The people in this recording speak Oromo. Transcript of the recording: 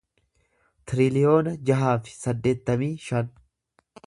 tiriliyoona jaha fi saddeettamii shan